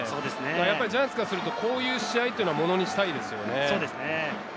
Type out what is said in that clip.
ジャイアンツからすると、こういう試合をものにしたいですよね。